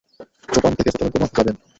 চোপান থেকে প্রথমে গোমাহ যাবেন।